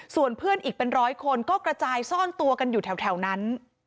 ส่วนเพื่อนอีกเป็นร้อยคนก็กระจายซ่อนตัวกันอยู่แถวนั้น